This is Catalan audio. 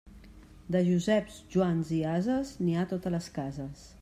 De Joseps, Joans i ases, n'hi ha a totes les cases.